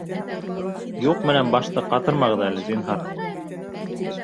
— Юҡ менән башты ҡатырмағыҙ әле, зинһар.